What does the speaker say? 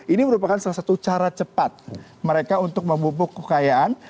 ini merupakan salah satu cara cepat mereka untuk memupuk kekayaan